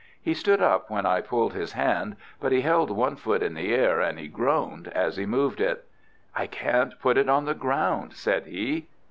He stood up when I pulled his hand, but he held one foot in the air, and he groaned as he moved it. "I can't put it to the ground," said he.